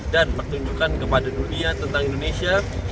dan pertunjukan kepada dunia tentang indonesia